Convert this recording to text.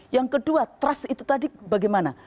yang kedua trust itu tadi bagaimana